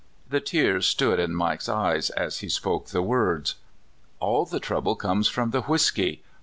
" The tears stood in Mike's eyes as he spoke the words. "All the trouble comes from the whisky.